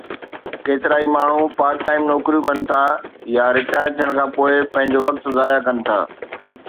ڪيترائي ماڻهو part time نوڪريون ڪن ٿا يا رٽائر ٿيڻ کان پوءِ پنهنجو وقت ضايع ڪن ٿا